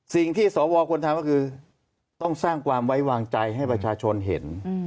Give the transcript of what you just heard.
สิ่งที่สวควรทำก็คือต้องสร้างความไว้วางใจให้ประชาชนเห็น